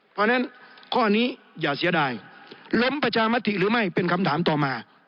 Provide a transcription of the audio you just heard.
เพราะฉะนั้นข้อนี้อย่าเสียดายล้มประชามติหรือไม่เป็นคำถามต่อมา